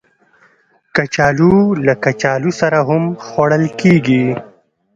کچالو له کچالو سره هم خوړل کېږي